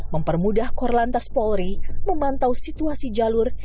mempermudah kor lantas polri memantau situasi jalur